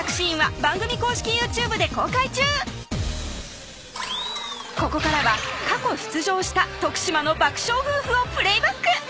貴重なここからは過去出場した徳島の爆笑夫婦をプレイバック！